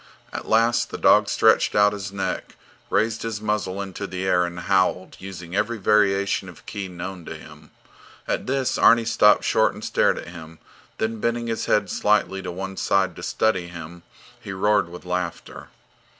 At last the dog stretched out his neck, raised his muzzle into the air and howled, using every variation of key known to him. At this Arni stopped short and stared at him, then bending his head slightly to one side to study him, he roared with laughter.